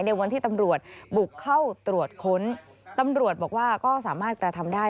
ในวันที่ตำรวจบุกเข้าตรวจค้นตำรวจบอกว่าก็สามารถกระทำได้